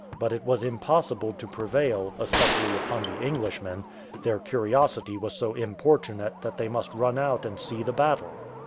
But it was impossible to prevail, especially upon the Englishmen; their curiosity was so importunate that they must run out and see the battle.